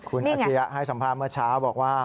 คุณอาชียะให้สัมภาษณ์เมื่อเช้าบอกว่า